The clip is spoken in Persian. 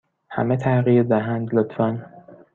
همه تغییر دهند، لطفا.